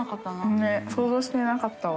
ねぇ想像してなかったわ。